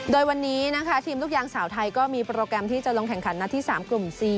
โดยวันนี้นะคะทีมลูกยางสาวไทยก็มีโปรแกรมที่จะลงแข่งขันนัดที่๓กลุ่ม๔